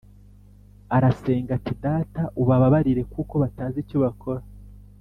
arasenga ati Data ubababarire kuko batazi icyo bakora